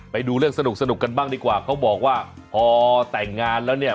ไปดูเรื่องสนุกกันบ้างดีกว่าเขาบอกว่าพอแต่งงานแล้วเนี่ย